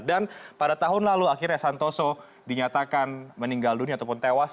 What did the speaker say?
dan pada tahun lalu akhirnya santoso dinyatakan meninggal dunia ataupun tewas